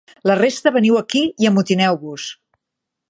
La resta veniu aquí i amotineu-vos!